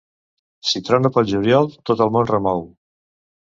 Si trona pel juliol tot el món remou.